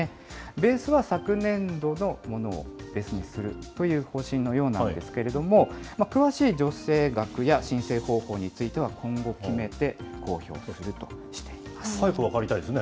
ベースは昨年度のものをベースにするという方針のようなんですけれども、詳しい助成額や申請方法については、今後決めて、公表す早く分かりたいですね。